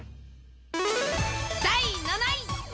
第７位。